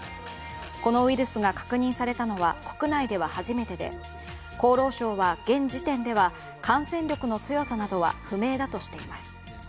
このウイルスが確認されたのは国内では初めてで厚労省は現時点では感染力の強さなどは不明だとしています。